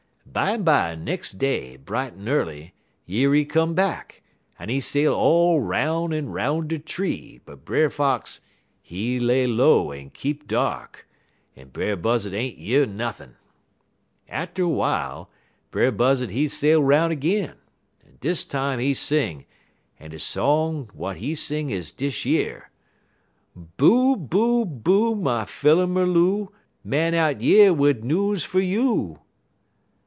"Bimeby, nex' day, bright en early, yer he come back, en he sail all 'roun' en 'roun' de tree, but Brer Fox he lay low en keep dark, en Brer Buzzud ain't year nuthin'. Atter w'ile, Brer Buzzud he sail 'roun' ag'in, en dis time he sing, en de song w'at he sing is dish yer: "'_Boo, boo, boo, my filler mer loo, Man out yer wid news fer you!